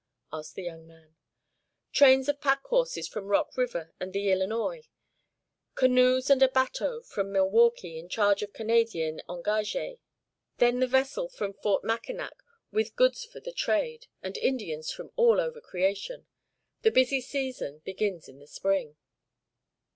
asked the young man. "Trains of pack horses from Rock River and the Illinois. Canoes and a bateau from Milwaukee, in charge of Canadian engagés. Then the vessel from Fort Mackinac with goods for the trade, and Indians from all over creation. The busy season begins in the Spring."